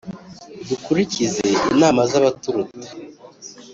dukurikize inama z' abaturuta,